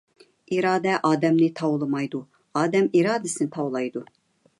ئىرادە ئادەمنى تاۋلىمايدۇ، ئادەم ئىرادىسىنى تاۋلايدۇ!